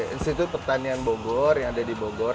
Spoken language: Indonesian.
institut pertanian bogor yang ada di bogor